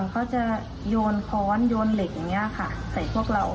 เขาจะโยนค้อนโยนเหล็กอย่างนี้ค่ะใส่พวกเรา